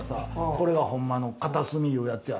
これがホンマの片隅いうやつや。